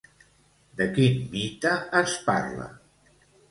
De quin mite es parla?